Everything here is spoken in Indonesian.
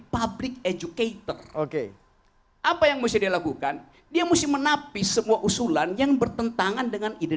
public educator oke apa yang mesti dilakukan dia mesti menapis semua usulan yang bertentangan dengan ide